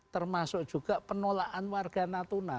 termasuk juga penolaan warga natuna